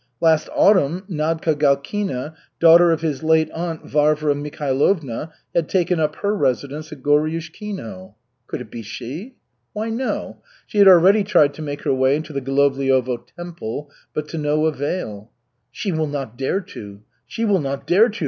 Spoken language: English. Last autumn Nadka Galkina, daughter of his late aunt Varvara Mikhailovna, had taken up her residence at Goryushkino. Could it be she? Why, no. She had already tried to make her way into the Golovliovo temple, but to no avail. "She will not dare to, she will not dare to!"